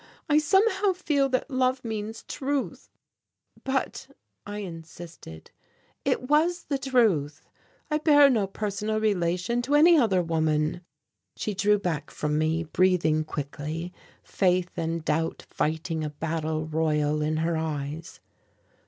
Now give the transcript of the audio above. I somehow feel that love means truth " "But," I insisted, "it was the truth. I bear no personal relation to any other woman." She drew back from me, breathing quickly, faith and doubt fighting a battle royal in her eyes.